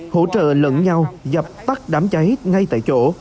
hỗ trợ lẫn nhau dập tắt đám cháy ngay tại chỗ